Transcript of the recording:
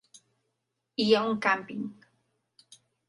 Hi ha un càmping.